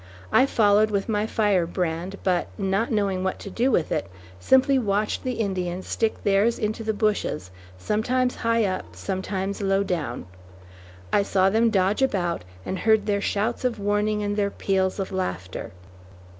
I followed with my fire brand, but, not knowing what to do with it, simply watched the Indians stick theirs into the bushes, sometimes high up, sometimes low down. I saw them dodge about, and heard their shouts of warning and their peals of laughter.